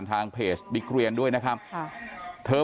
โลกไว้แล้วพี่ไข่โลกไว้แล้วพี่ไข่